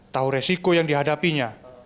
tahu resiko yang dihadapinya